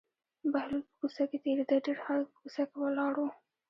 بهلول په کوڅه کې تېرېده ډېر خلک په کوڅه کې ولاړ وو.